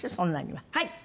はい！